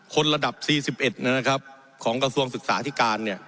คนระดับสี่สิบเอ็ดนะครับของกระทรวงศึกษาธิการเนี่ย